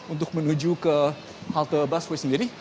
untuk menuju ke halte busway sendiri